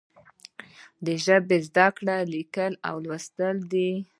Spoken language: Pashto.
د ژبې زده کړه لیکل او لوستل دي.